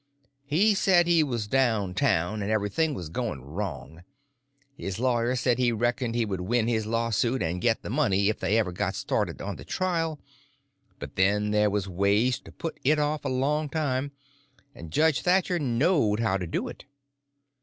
He said he was down town, and everything was going wrong. His lawyer said he reckoned he would win his lawsuit and get the money if they ever got started on the trial; but then there was ways to put it off a long time, and Judge Thatcher knowed how to do it.